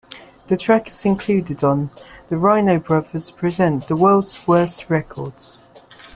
This track is included on "The Rhino Brothers Present the World's Worst Records".